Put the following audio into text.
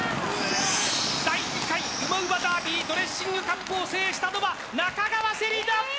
第２回うまうまダービードレッシングカップを制したのは中川せりな！